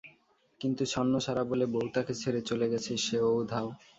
কিন্তু ছন্নছাড়া বলে বউ তাকে ছেড়ে চলে গেছে, সে ও উধাও।